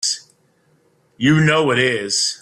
You know it is!